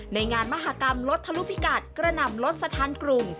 ในงานมหากรรมรถทะลุพิกัดกระหน่ำรถสถานกลุ่ม